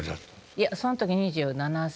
いやその時２７歳。